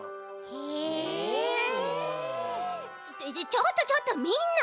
ちょっとちょっとみんな！